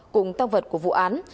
cùng tăng vật của vụ án